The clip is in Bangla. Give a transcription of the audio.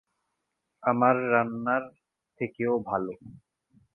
আমার রান্নার থেকেও ভালো?